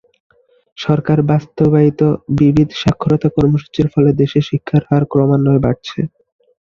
সরকার বাস্তবায়িত বিবিধ সাক্ষরতা কর্মসূচীর ফলে দেশে শিক্ষার হার ক্রমান্বয়ে বাড়ছে।